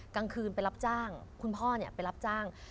กลางคืนไปรับจ้างคุณพ่อไปรับจ้าง